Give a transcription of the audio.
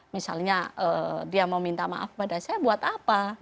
misalnya dia mau minta maaf pada saya buat apa